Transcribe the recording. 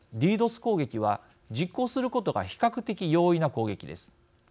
攻撃は実行することが比較的容易な攻撃です。